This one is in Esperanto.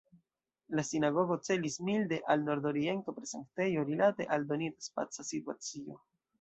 La sinagogo celis milde al nordoriento per sanktejo, rilate al donita spaca situacio.